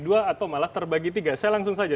dua atau malah terbagi tiga saya langsung saja